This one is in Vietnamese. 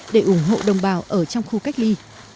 để ủng hộ đồng bào ở trong khu cách ly